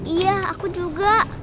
iya aku juga